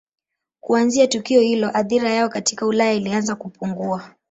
Kuanzia tukio hilo athira yao katika Ulaya ilianza kupungua.